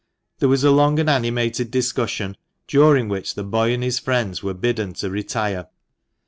There was a long and animated discussion, during which the boy and his friends were bidden to retire.